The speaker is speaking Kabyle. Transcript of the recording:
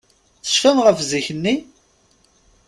Tecfamt ɣef zik-nni?